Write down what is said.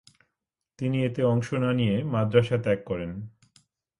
তিনি এতে অংশ না নিয়ে মাদরাসা ত্যাগ করেন।